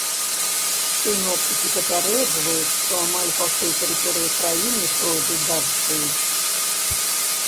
Сіноптыкі папярэджваюць, што амаль па ўсёй тэрыторыі краіны пройдуць дажджы.